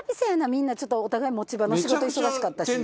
みんなちょっとお互い持ち場の仕事忙しかったし。